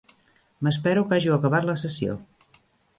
M'espero que hàgiu acabat la sessió.